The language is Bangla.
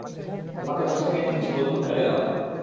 তোমাকে দশ সেকেন্ড দিচ্ছি বন্দুক ফেলে দাও!